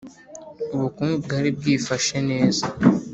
ubukungu bwari bwifashe neza,